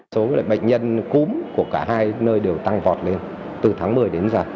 số bệnh nhân cúm của cả hai nơi đều tăng vọt lên từ tháng một mươi đến giờ